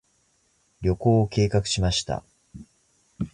旅行を計画しました。